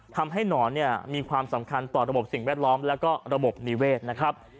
หนอนเนี่ยมีความสำคัญต่อระบบสิ่งแวดล้อมแล้วก็ระบบนิเวศนะครับ